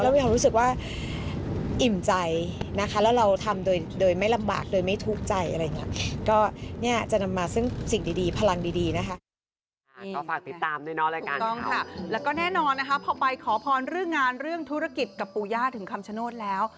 และแน่นอนนะครับถูกต้องเจอขอไปขอภาลเรื่องงานเรื่องธุรกิจกับปู่ย่าถึงคำชโนธแล้ว